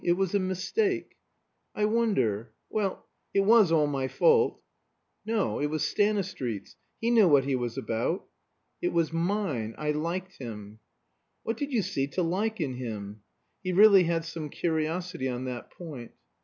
It was a mistake." "I wonder Well, it was all my fault." "No; it was Stanistreet's. He knew what he was about." "It was mine. I liked him." "What did you see to like in him?" (He really had some curiosity on that point.)